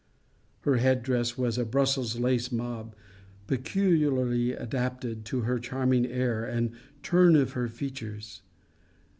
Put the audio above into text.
Her head dress was a Brussels lace mob, peculiarly adapted to the charming air and turn of her features.